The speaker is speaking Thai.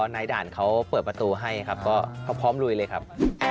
ในด่านเขาเปิดประตูให้ครับก็พร้อมลุยเลยครับ